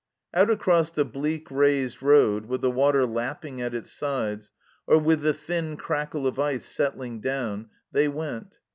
Out across the bleak raised road, with the water lapping at its sides, or with the thin crackle of ice settling down, they went.